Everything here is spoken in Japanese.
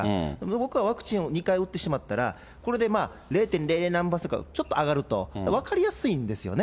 僕はワクチンを２回打ってしまったらこれで、０．０００何％か上がると、分かりやすいんですよね。